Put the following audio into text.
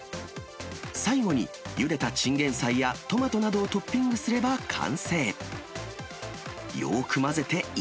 最後に、ゆでたちんげんさいやトマトなどをトッピングすれば完成。